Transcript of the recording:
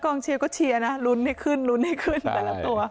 กลางเชียวก็เชียร์นะรุนให้ขึ้นให้ขึ้นแต่ละตัว